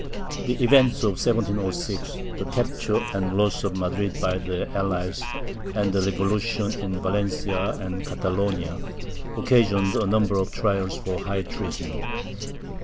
The events of 1706— the capture and loss of ]\Iadrid by the Allies and the revolutions in Valencia and Catalonia — occasioned a number of trials for high treason.